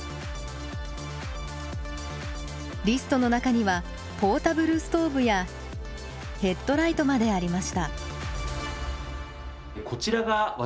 リストの中にはポータブルストーブやヘッドライトまでありました。